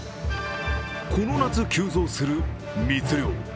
この夏、急増する密漁。